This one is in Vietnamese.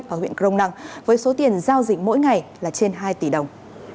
và huyện crong năng với số tiền giao dịch mỗi ngày là trên hai tỷ đồng